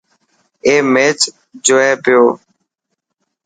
اي ميچ جوئي پيو.